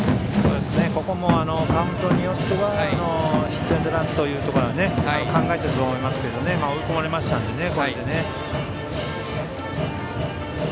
ここもカウントによってはヒットエンドランということは考えていると思いますけどこれで追い込まれましたのでね。